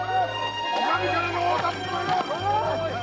お上からのお助け米だ！